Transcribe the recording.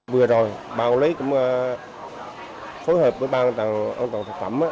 vừa rồi bà lê cũng phối hợp với bang an toàn thực phẩm